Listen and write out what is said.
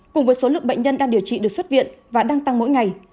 cùng với số lượng bệnh nhân đang điều trị được xuất viện và đang tăng mỗi ngày